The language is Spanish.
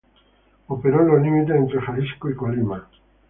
Operó en los límites entre Jalisco y Colima.